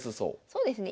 そうですね。